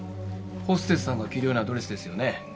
ホステスさんが着るようなドレスですよね。